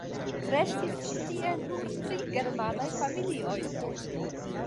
Restis ĉi tie nur tri germanaj familioj.